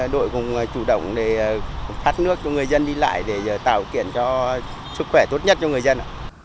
đội cũng chủ động để phát nước cho người dân đi lại để tạo kiện cho sức khỏe tốt nhất cho người dân